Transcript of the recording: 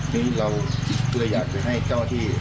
ก่อนยันเราชื่อยากมาใช้เจ้าที่